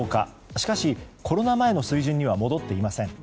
しかし、コロナ前の水準には戻っていません。